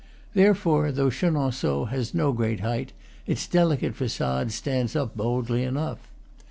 Therefore, though Chenonceaux has no great height, its delicate facade stands up boldly enough.